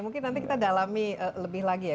mungkin nanti kita dalami lebih lagi ya